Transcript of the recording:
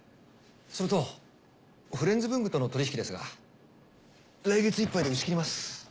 それとフレンズ文具との取り引きですが来月いっぱいで打ち切ります。